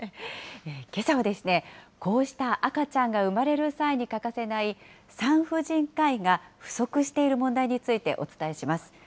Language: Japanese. けさは、こうした赤ちゃんが生まれる際に欠かせない産婦人科医が不足している問題についてお伝えします。